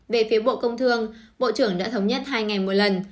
về phía bộ công thương bộ trưởng đã thống nhất hai ngày một lần